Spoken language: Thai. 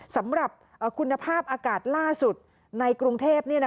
สำหรับคุณภาพอากาศล่าสุดในกรุงเทพ